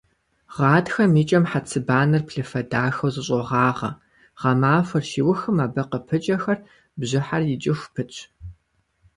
Гъатхэм и кӀэм хьэцыбанэр плъыфэ дахэу зэщӀогъагъэ, гъэмахуэр щиухым абы къыпыкӀэхэр бжьыхьэр икӀыху пытщ.